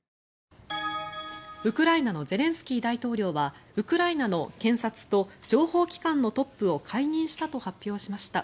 ウクライナのゼレンスキー大統領はウクライナの検察と情報機関のトップを解任したと発表しました。